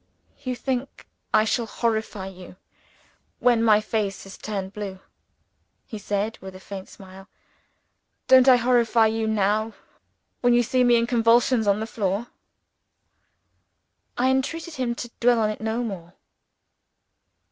"You think I shall horrify you when my face has turned blue," he said with a faint smile. "Don't I horrify you now when you see me in convulsions on the floor?" I entreated him to dwell on it no more.